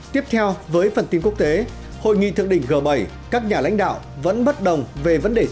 tiếp theo với phần tin quốc tế hội nghị thượng đỉnh g bảy các nhà lãnh đạo vẫn bất đồng về vấn đề